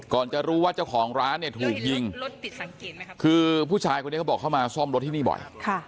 จะรู้ว่าเจ้าของร้านเนี่ยถูกยิงคือผู้ชายคนนี้เขาบอกเข้ามาซ่อมรถที่นี่บ่อย